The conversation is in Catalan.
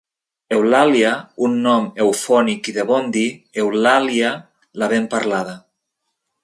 Eulàlia, un nom eufònic i de bon dir, Eulàlia, la ben parlada.